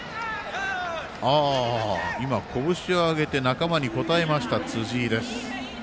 今、拳を上げて仲間に応えました、辻井です。